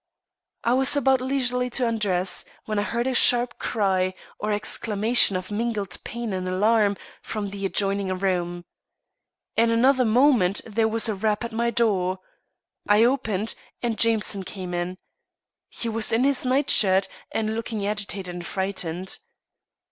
I was about leisurely to undress, when I heard a sharp cry, or exclamation of mingled pain and alarm, from the adjoining room. In another moment there was a rap at my door. I opened, and Jameson came in. He was in his night shirt, and looking agitated and frightened.